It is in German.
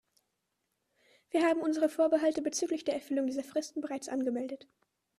Wir haben unsere Vorbehalte bezüglich der Erfüllung dieser Fristen bereits angemeldet.